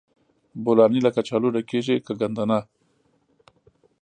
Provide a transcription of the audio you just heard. بولاني له کچالو ډکیږي که ګندنه؟